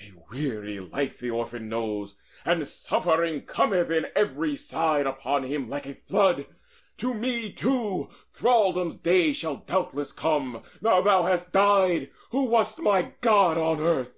A weary life The orphan knows, and suffering cometh in From every side upon him like a flood. To me too thraldom's day shall doubtless come, Now thou hast died, who wast my god on earth."